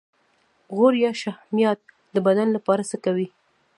غوړ یا شحمیات د بدن لپاره څه کوي